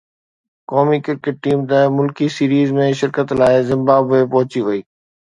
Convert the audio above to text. قومي cricket team ٽه ملڪي سيريز ۾ شرڪت لاءِ زمبابوي پهچي وئي